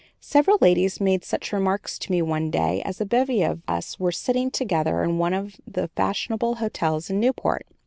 Several ladies made such remarks to me one day, as a bevy of us were sitting together in one of the fashionable hotels in Newport.